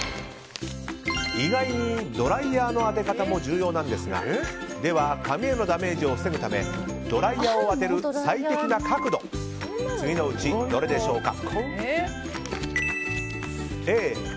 意外にドライヤーの当て方も重要なんですが髪へのダメージを防ぐためドライヤーを当てる最適な角度は次のうちどれでしょうか。